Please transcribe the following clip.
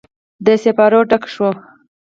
د سیپارو ډکه شوه